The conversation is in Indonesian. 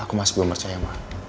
aku masih belum percaya